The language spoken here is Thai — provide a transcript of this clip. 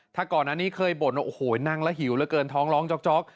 ถ้าก่อนอันนี้เคยบ่นว่าโอ้โหนั่งแล้วหิวเหลือเกินท้องร้องจ๊อก